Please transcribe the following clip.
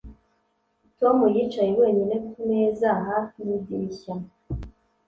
Tom yicaye wenyine kumeza hafi yidirishya